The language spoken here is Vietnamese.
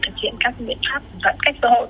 các nguyện pháp các cách bảo hộ